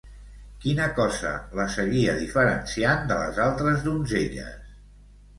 Quina cosa la seguia diferenciant de les altres donzelles?